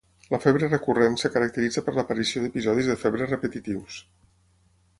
La febre recurrent es caracteritza per l'aparició d'episodis de febre repetitius.